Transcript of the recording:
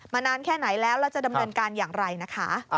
นานแค่ไหนแล้วแล้วจะดำเนินการอย่างไรนะคะ